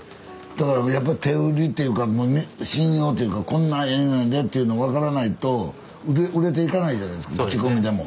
だからやっぱり手売りというか信用というかこんなええんやでっていうの分からないと売れていかないじゃないですか口コミでも。